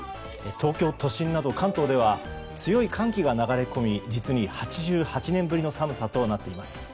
東京都心など関東では強い寒気が流れ込み実に８８年ぶりの寒さとなっています。